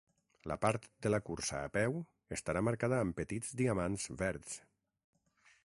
La part de la cursa a peu estarà marcada amb petits diamants verds.